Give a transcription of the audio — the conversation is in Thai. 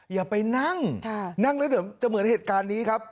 อย่าไปนั่งนั่งแล้วเดี๋ยวจะเหมือนเหตุการณ์นี้ครับ